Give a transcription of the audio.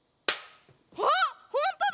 あっほんとだ！